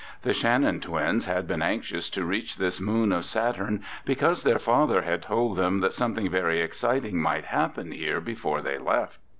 The Shannon twins had been anxious to reach this moon of Saturn because their father had told them that something very exciting might happen here before they left.